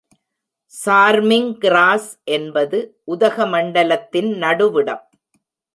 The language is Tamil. சார்மிங் கிராஸ் என்பது உதகமண்டலத்தின் நடுவிடம்.